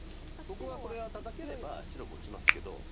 僕はこれはタタければ白持ちますけど。